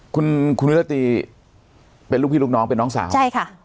คุณคุณวิรตีเป็นลูกพี่ลูกน้องเป็นน้องสาวใช่ค่ะ